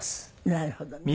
なるほどね。